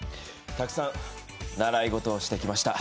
たくさん、習い事をしてきました。